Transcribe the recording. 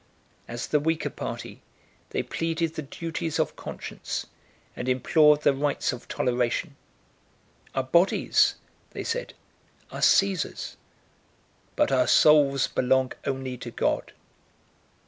As the weaker party, they pleaded the duties of conscience, and implored the rights of toleration: "Our bodies," they said, "are Cæsar's, but our souls belong only to God."